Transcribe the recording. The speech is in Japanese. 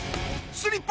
スリッパ！